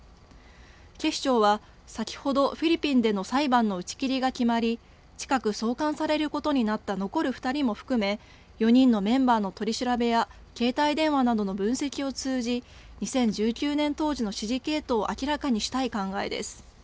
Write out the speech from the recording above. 警視庁は先ほどフィリピンでの裁判の打ち切りが決まり近く送還されることになった残る２人も含め４人のメンバーの取り調べや携帯電話などの分析を通じ２０１９年当時の指示系統を明らかにしたい考えです。